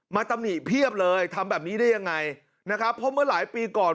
ตำหนิเพียบเลยทำแบบนี้ได้ยังไงนะครับเพราะเมื่อหลายปีก่อน